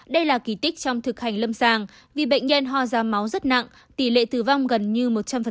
đây là kỳ tích trong thực hành lâm sàng vì bệnh nhân ho ra máu rất nặng tỷ lệ tử vong gần như một trăm linh